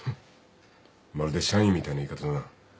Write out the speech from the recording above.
まるで社員みたいな言い方だな。